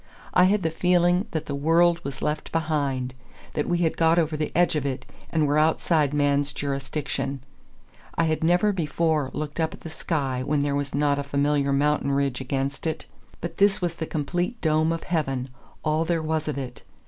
I had the feeling that the world was left behind, that we had got over the edge of it, and were outside man's jurisdiction. I had never before looked up at the sky when there was not a familiar mountain ridge against it. But this was the complete dome of heaven, all there was of it.